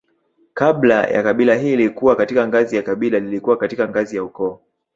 Kabla ya kabila hili kuwa katika ngazi ya kabila lilikuwa katika ngazi ya ukoo